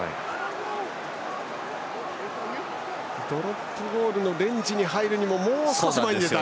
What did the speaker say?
ドロップボールのレンジに入るためにはもう少し前に出たい。